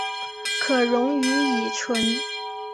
可溶于乙醇。